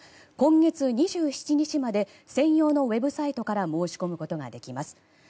今月２７日まで専用のウェブサイトから申し込むことができます。